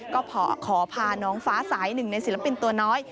ก็ขอพาน้องฟ้าสายหนึ่งในศิลปินตัวน้อย